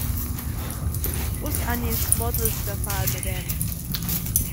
Ussa han ils models da far il medem.